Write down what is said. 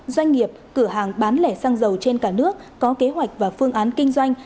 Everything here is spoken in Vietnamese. doanh nghiệp cửa hàng bán lẻ xăng dầu trên cả nước có kế hoạch và phương án kinh doanh